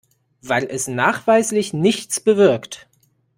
Weil es nachweislich nichts bewirkt.